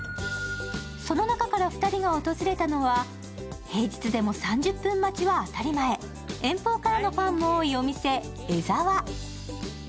その中から２人が訪れたのは平日でも３０分待ちは当たり前、遠方からのファンも多いお店・江ざわ。